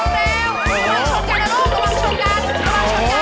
เร็วมาด่วนด่วนเลย